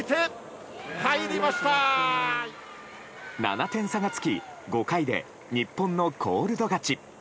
７点差がつき５回で日本のコールド勝ち。